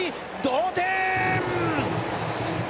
同点！